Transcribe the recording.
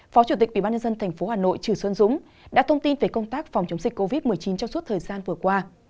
phó chủ tịch ủy ban nhân dân tp hà nội trừ xuân dũng đã thông tin về công tác phòng chống dịch covid một mươi chín trong suốt thời gian vừa qua